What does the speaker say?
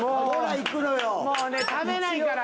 もうね食べないから。